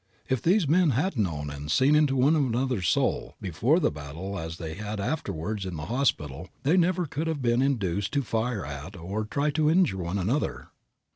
If these men had known and seen into one another's soul before the battle as they had afterwards in the hospital they never could have been induced to fire at or to try to injure one another.